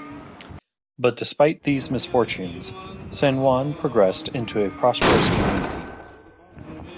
But despite these misfortunes, San Juan progressed into a prosperous community.